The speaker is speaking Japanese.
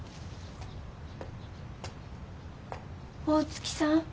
大月さん？